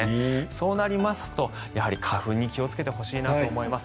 そうなりますと、やはり花粉に気をつけてほしいなと思います。